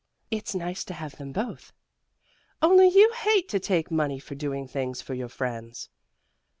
"It's nice to have them both." "Only you hate to take money for doing things for your friends."